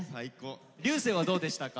流星はどうでしたか？